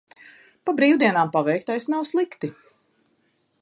Pa brīvdienām paveiktais nav slikti.